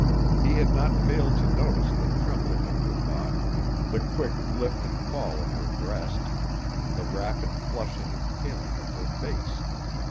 He had not failed to notice the trembling of her body, the quick lift and fall of her breast, the rapid flushing and paling of her face.